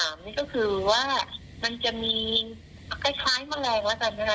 ทางที่๓นี่ก็คือว่ามันจะมีคล้ายแมลงแล้วกันนะ